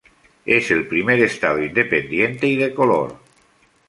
Es el primer Estado independiente y de color.